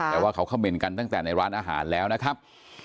แต่ว่าเขาคำเมนต์กันตั้งแต่ในร้านอาหารแล้วนะครับ